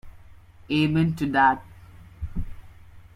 Amen to that.